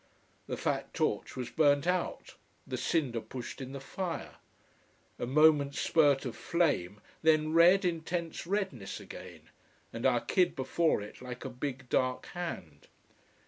The fat torch was burnt out, the cinder pushed in the fire. A moment's spurt of flame, then red, intense redness again, and our kid before it like a big, dark hand.